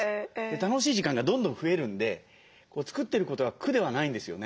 楽しい時間がどんどん増えるんで作ってることが苦ではないんですよね。